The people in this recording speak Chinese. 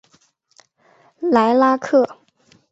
莱拉克。